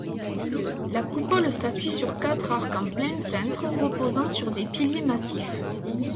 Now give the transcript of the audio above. La coupole s'appuie sur quatre arcs à plein cintre reposant sur des piliers massifs.